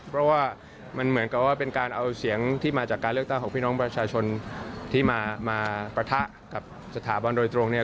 เพราะว่ามันเหมือนกับว่าเป็นการเอาเสียงที่มาจากการเลือกตั้งของพี่น้องประชาชนที่มาปะทะกับสถาบันโดยตรงเนี่ย